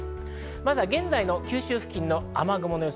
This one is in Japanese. まずは現在の九州付近の雨雲の様子。